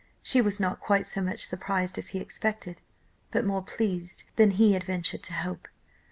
She was not quite so much surprised as he expected, but more pleased than he had ventured to hope.